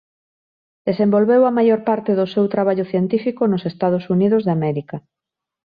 Desenvolveu a maior parte do seu traballo científico nos Estados Unidos de América.